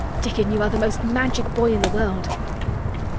Dickon, you are the most Magic boy in the world!"